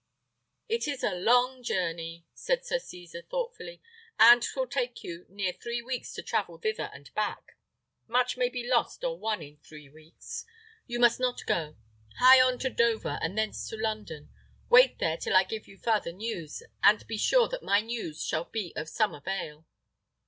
"It is a long journey," said Sir Cesar, thoughtfully, "and 'twill take you near three weeks to travel thither and back. Much may be lost or won in three weeks. You must not go. Hie on to Dover, and thence to London: wait there till I give you farther news, and be sure that my news shall be of some avail."